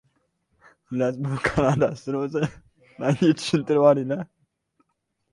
Uning nomi penitsillin ixtirochisi sifatida tez orada butun dunyoga taniladi.